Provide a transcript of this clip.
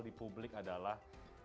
di publik adalah